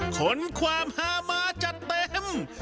ขนความฮามาจัดเต็ม